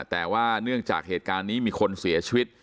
แต่ว่าเนื่องจากเหตุการณ์นี้มีคนเสียชีวิต